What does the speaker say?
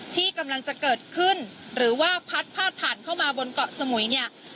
ที่กำลังจะเกิดขึ้นหรือว่าพัดพาดผ่านเข้ามาบนเกาะสมุยเนี่ย